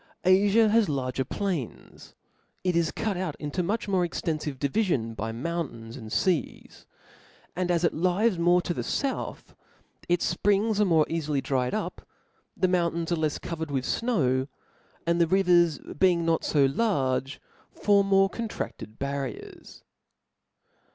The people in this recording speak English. iSfia hasiargcr plains ; it is cue otn into much more eztenfive di vifions by mountains and feas ; and 2A it Wd more to tht ibuth, its fprihgs are more ealily dried up % the mooDcains are Jefs covered with fnow ; and the rivers being not ^ fo large^ form more contiaded barriers.